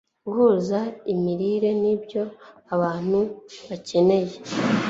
guhuza imirire n'ibyo abantu bakeneye